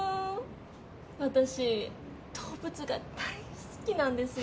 私動物が大好きなんですよ。